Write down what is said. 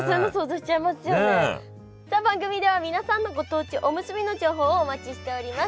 何かそれもさあ番組では皆さんのご当地おむすびの情報をお待ちしております！